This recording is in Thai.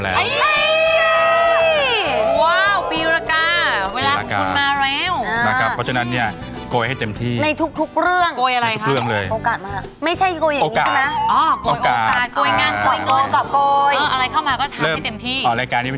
มันก็ไม่ใช่ของเราอยู่ดี